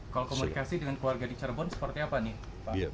kalau komunikasi dengan keluarga di cirebon seperti apa nih pak